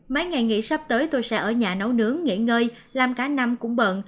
mấy ngày nghỉ sắp tới tôi sẽ ở nhà nấu nướng nghỉ ngơi làm cả năm cũng bận